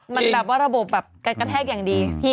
มันกลับว่าระบบแบบกันกระแทกอย่างดี